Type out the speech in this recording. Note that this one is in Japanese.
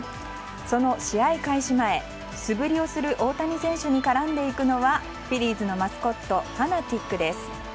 その試合開始前、素振りをする大谷選手に絡んでいくのはフィリーズのマスコットファナティックです。